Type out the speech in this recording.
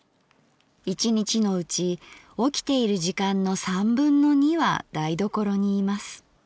一日のうち起きている時間の三分の二は台所にいます」。